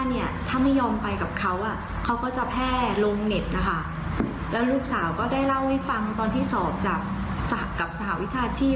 ในขั้นต้นนั้นคือเขาเสนอเงินมาครั้งแรก๑แสน